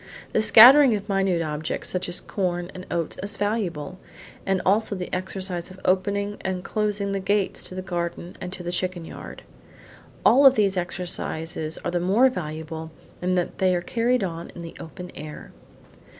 The scattering of minute objects, such as corn and oats, is valuable, and also the exercise of opening and closing the gates to the garden and to the chicken yard. All of these exercises are the more valuable in that they are carried on in the open air.